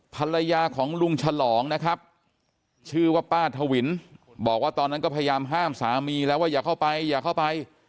ภรรยาของลุงฉลองนะครับชื่อว่าป้าทวินบอกว่าตอนนั้นก็พยายามห้ามสามีแล้วว่าอย่าเข้าไปอย่าเข้าไป